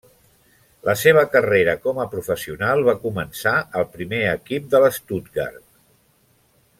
La seva carrera com a professional va començar al primer equip de l'Stuttgart.